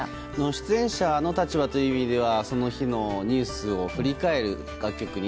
出演者の立場という意味ではその日のニュースを振り返る楽曲に。